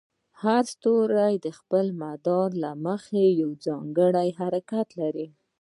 هر ستوری د خپل مدار له مخې یو ځانګړی حرکت لري.